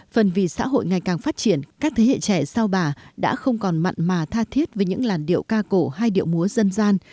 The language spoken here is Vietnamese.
phần vì xã hội ngày càng phát triển các thế hệ trẻ sau bà đã không còn mặn mà tha thiết với những làn điệu ca cổ hay điệu múa dân gian